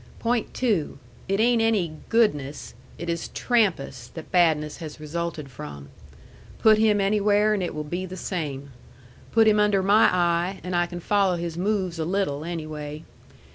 Point two: it ain't any GOODNESS, it is TRAMPAS that badness has resulted from. Put him anywhere and it will be the same. Put him under my eye, and I can follow his moves a little, anyway.